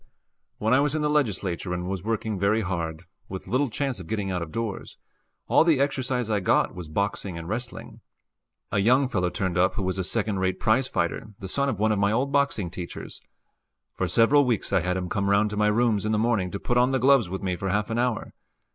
When I was in the Legislature and was working very hard, with little chance of getting out of doors, all the exercise I got was boxing and wrestling. A young fellow turned up who was a second rate prize fighter, the son of one of my old boxing teachers. For several weeks I had him come round to my rooms in the morning to put on the gloves with me for half an hour.